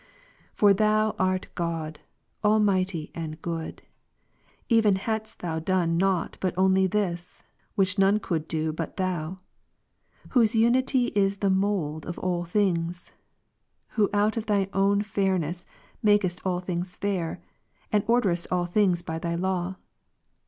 For Thou art God, Almighty and Good, even hadst Thou done nought but only this, which none could do but Thou : whose Unity is the mould of all things ; who out of Thy own fairness makest all things fair ; and orderest all things by Thy law.